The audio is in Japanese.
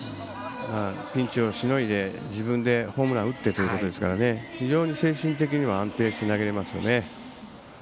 ピンチをしのいで自分でホームランを打っているので非常に精神的には安定して投げれますよね。